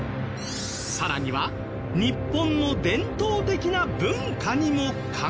更には日本の伝統的な文化にも関係が？